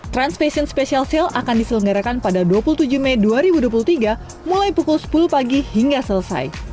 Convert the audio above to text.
trans fashion special sale akan diselenggarakan pada dua puluh tujuh mei dua ribu dua puluh tiga mulai pukul sepuluh pagi hingga selesai